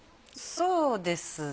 そうですね。